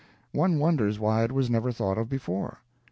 One wonders why it was never thought of before.